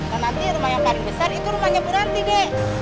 dan nanti rumah yang paling besar itu rumahnya beranti nek